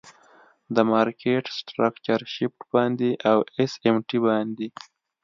د مارکیټ سټرکچر شفټ باندی او آس آم ټی باندی.